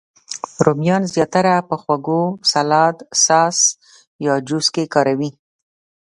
رومیان زیاتره په خوړو، سالاد، ساس، یا جوس کې کاروي